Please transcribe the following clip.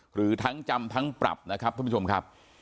หรือทั้งจำทั้งปรับนะครับท่านผู้ชมครับ